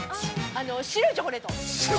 あの、白いチョコレート。